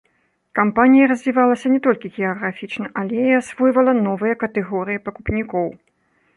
Кампанія развівалася не толькі геаграфічна, але і асвойвала новыя катэгорыі пакупнікоў.